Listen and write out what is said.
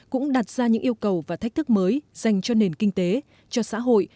cũng đặt ra những yêu cầu và thách thức mới dành cho nền kinh tế cho xã hội